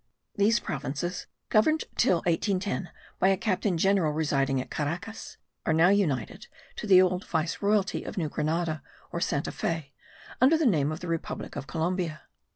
These provinces, governed till 1810 by a captain general residing at Caracas, are now united to the old viceroyalty of New Grenada, or Santa Fe, under the name of the Republic of Columbia.